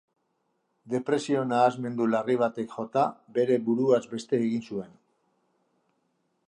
Depresio-nahasmendu larri batek jota, bere buruaz beste egin zuen.